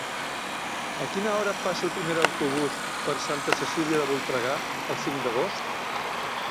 A quina hora passa el primer autobús per Santa Cecília de Voltregà el cinc d'agost?